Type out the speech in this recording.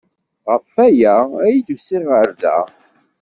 Ɣef waya ay d-usiɣ ɣer da.